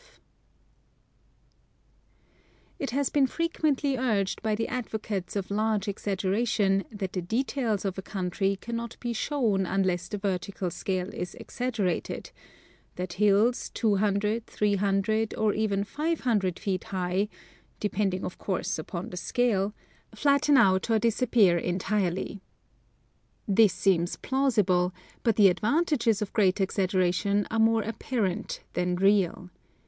* It has been frequently urged by the advocates of large exag geration that the details of a country cannot be shown unless the vertical scale is exaggerated ; that hills 200, 300, or even 500 feet high — depending of course upon the scale — flatten out or dis appear entirely. This seems plausible, but the advantanges of great exaggeration are more apparent than real.